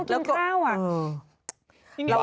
เหมือนมายินตอเขากินข้าวอ่ะ